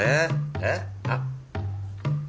えっ？あっ。